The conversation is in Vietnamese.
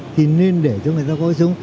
thì nên để cho người ta có cái cuộc sống